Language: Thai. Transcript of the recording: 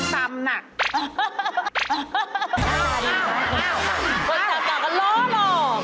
คนตำน่ากันล้อหรอก